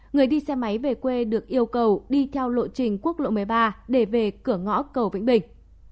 người đi xe máy về quê được yêu cầu đi theo lộ trình quốc lộ một mươi ba để về cửa ngõ cầu vĩnh bình